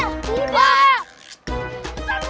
jangan ambil petanya